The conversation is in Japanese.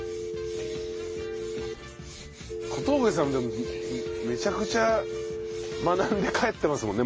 小峠さんでもめちゃくちゃ学んで帰ってます